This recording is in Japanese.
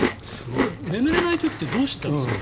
これ、眠れない時ってどうしてたんですか？